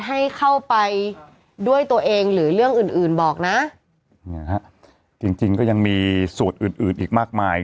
ให้เข้าไปด้วยตัวเองหรือเรื่องอื่นอื่นบอกนะเนี่ยฮะจริงจริงก็ยังมีสูตรอื่นอื่นอีกมากมาย